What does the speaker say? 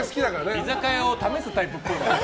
居酒屋を試すタイプっぽい。